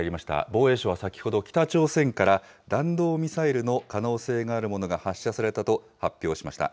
防衛省は先ほど、北朝鮮から弾道ミサイルの可能性があるものが発射されたと発表しました。